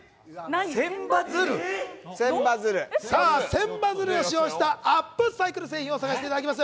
千羽鶴を使用したアップサイクル製品を探していただきます。